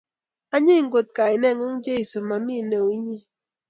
Anyiny kot kainengugn Jesu mami neu inye